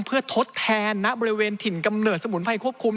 เพื่อทดแทนณบริเวณถิ่นกำเนิดสมุนไพรควบคุม